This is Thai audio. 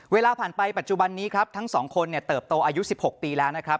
เวลาผ่านไปปัจจุบันนี้ครับทั้งสองคนเนี่ยเติบโตอายุ๑๖ปีแล้วนะครับ